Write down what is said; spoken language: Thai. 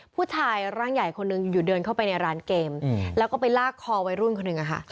ผู้ชายร่างใหญ่คนหนึ่งอยู่เดินเข้าไปในร้านเกมแล้วก็ไปลากคอวัยรุ่นคนหนึ่งอะค่ะ